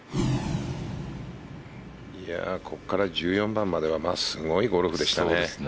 ここから１４まではすごいゴルフでしたね。